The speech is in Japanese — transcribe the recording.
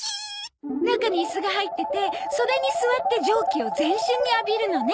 中にイスが入っててそれに座って蒸気を全身に浴びるのね。